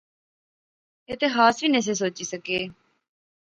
ایہہ تہ خاص وی نہسے سوچی سکے